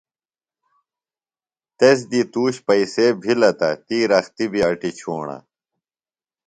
تس دی تُوش پئیسے بِھلہ تہ تی رختیۡ بیۡ اٹیۡ چُھوݨہ۔